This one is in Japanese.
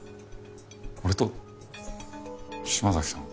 俺と島崎さん？